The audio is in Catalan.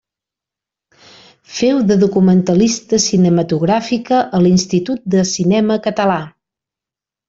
Féu de documentalista cinematogràfica a l'Institut de Cinema Català.